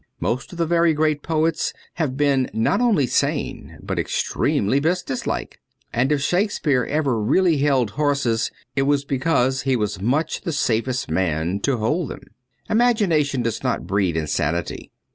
Most of the very great poets have been not only sane, but extremely business like ; and if Shakespeare ever really held horses, it was because he was much the safest man to hold them. Imagination does not breed insanity.